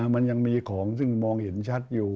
มันยังมีของซึ่งมองเห็นชัดอยู่